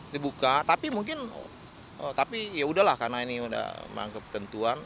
dibuka tapi mungkin yaudahlah karena ini udah kebetulan